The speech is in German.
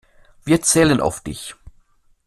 Wir zählen auf dich.